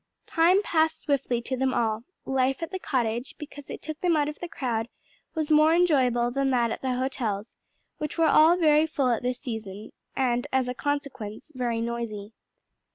Time passed swiftly to them all. Life at the cottage, because it took them out of the crowd, was more enjoyable than that at the hotels, which were all very full at this season, and as a consequence, very noisy.